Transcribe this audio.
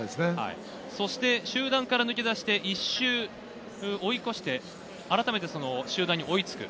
そして中段から抜け出して１周追い越して、改めて集団に追いつく。